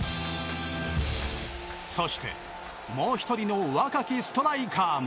そして、もう１人の若きストライカーも。